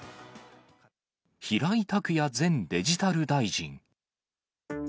平井卓也前デジタル大臣。